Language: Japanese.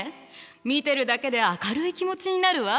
見てるだけで明るい気持ちになるわ。